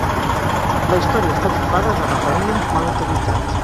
La història està trufada de referèndums mal utilitzats.